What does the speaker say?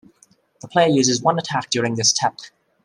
The player uses one attack during this step.